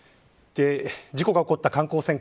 事故が起こった観光船